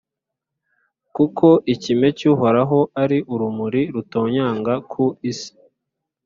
Kuko ikime cy’Uhoraho ari urumuri rutonyanga ku isi,